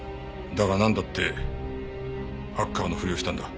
だがなんだってハッカーのふりをしたんだ？